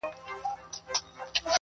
o اوبه د سر د خوا خړېږي!